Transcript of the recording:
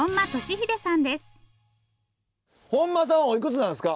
本間さんはおいくつなんですか？